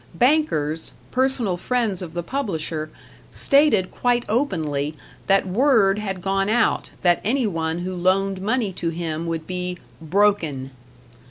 Bankers, personal friends of the publisher, stated quite openly that word had gone out that any one who loaned money to him would be "broken".